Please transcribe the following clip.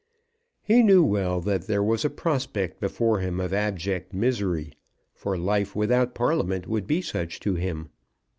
He knew well that there was a prospect before him of abject misery; for life without Parliament would be such to him.